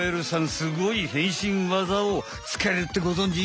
スゴい変身技を使えるってごぞんじ？